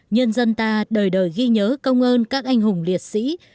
nhân dân ta đời đời ghi nhớ công ơn các anh hùng liệt sĩ